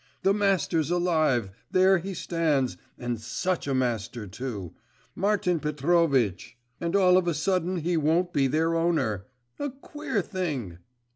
'The master's alive, there he stands, and such a master, too; Martin Petrovitch! And all of a sudden he won't be their owner.… A queer thing!